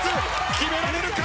決められるか！？